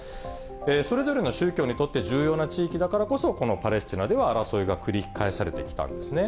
それぞれの宗教にとって重要な地域だからこそ、このパレスチナでは争いが繰り返されてきたんですね。